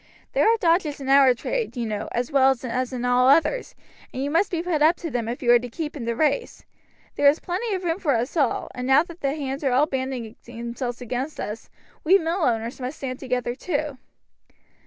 There are dodges in our trade, you know, as well as in all others, and you must be put up to them if you are to keep up in the race. There is plenty of room for us all, and now that the hands are all banding themselves against us, we mill owners must stand together too."